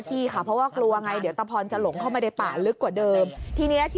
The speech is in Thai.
ตาพรตาพรตาพรอยู่ไหน